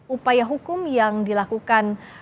upaya hukum yang dilakukan